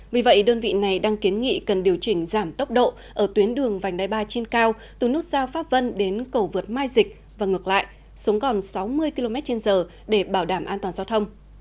vì vậy đơn vị này đang kiến nghị cần điều chỉnh giảm tốc độ ở tuyến đường vành đai ba trên cao từ nút giao pháp vân đến cầu vượt mai dịch và ngược lại xuống gòn sáu mươi km trên giờ để bảo đảm an toàn giao thông